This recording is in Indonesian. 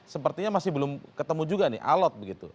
sepertinya masih belum ketemu juga nih alot begitu